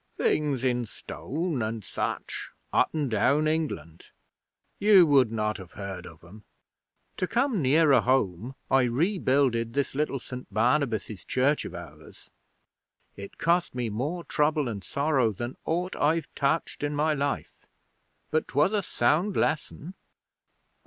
'Things in stone and such, up and down England. You would not have heard of 'em. To come nearer home, I rebuilded this little St Barnabas' church of ours. It cost me more trouble and sorrow than aught I've touched in my life. But 'twas a sound lesson.'